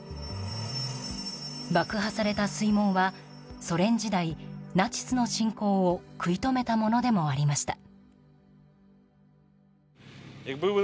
爆破された水門は、ソ連時代ナチスの侵攻を食い止めたものでもありました。